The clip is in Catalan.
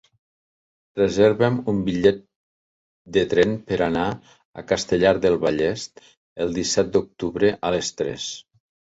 Reserva'm un bitllet de tren per anar a Castellar del Vallès el disset d'octubre a les tres.